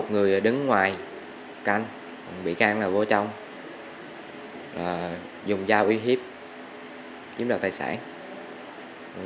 trên ngoài canh bị can là vô trong dùng dao uy hiếp chiếm đoạt tài sản